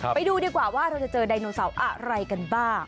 ไปดูดีกว่าเราจะเจอดายนอสาวอะไรกันบ้าง